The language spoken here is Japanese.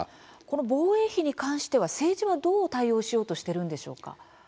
この防衛費に関しては政治は、どう対応しようとしているのでしょうか。